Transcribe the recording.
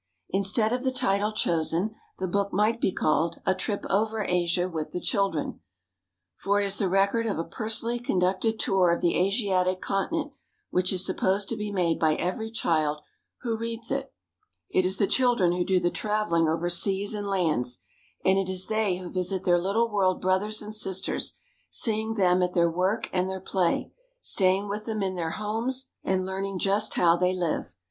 Instead of the title chosen, the book might be called A Trip over Asia with the Children "; for it is the record of a personally conducted tour of the Asiatic continent which is supposed to be made by every child who reads it It is the children who do the traveling over seas and lands, and it is they who visit their little world brothers and sisters, seeing them at their work and their play, staying with them in their homes and learning just how they live.